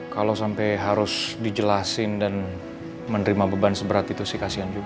kalau sampai harus dijelasin dan menerima beban seberat itu sih kasian juga